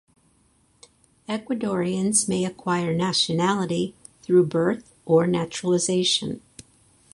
Ecuadorians may acquire nationality through birth or naturalization.